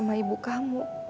saya tak tahu